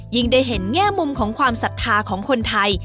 ได้เห็นแง่มุมของความศรัทธาของคนไทย